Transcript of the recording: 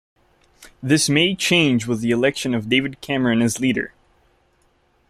This May change with the election of David Cameron as leader.